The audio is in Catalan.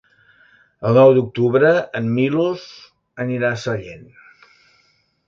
El nou d'octubre en Milos anirà a Sellent.